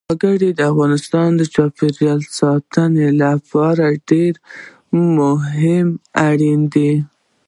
وګړي د افغانستان د چاپیریال ساتنې لپاره ډېر مهم او اړین دي.